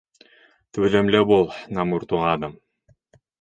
— Түҙемле бул, Намур туғаным.